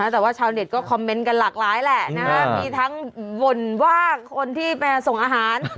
แต่ว่าชาวเน็ตก็คอมเมนต์กันหลากหลายแหละนะมีทั้งบ่นว่าคนที่ไปส่งอาหาร